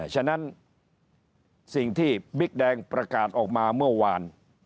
ฉะนั้นสิ่งที่บิ๊กแดงประกาศออกมาเมื่อวาน